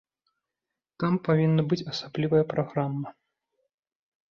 Там павінна быць асаблівая праграма.